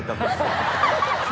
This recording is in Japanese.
ハハハハ！